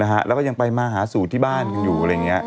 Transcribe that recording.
แล้วก็ยังไปมาหาสูตรที่บ้านอยู่อะไรอย่างนี้